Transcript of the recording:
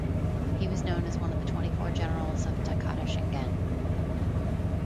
He was known as one of the "Twenty-Four Generals of Takeda Shingen".